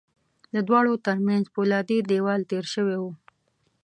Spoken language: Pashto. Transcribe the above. د دواړو ترمنځ پولادي دېوال تېر شوی و